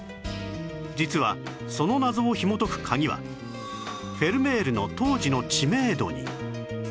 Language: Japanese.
実はその謎をひもとく鍵はフェルメールの当時の知名度に